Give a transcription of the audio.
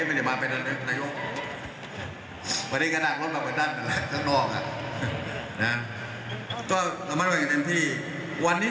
ผมเองไม่ใช่นายุ่งวันนี้เป็นเมื่อเมื่อเป็นนี่